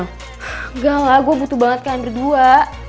enggak lah gue butuh banget kan berdua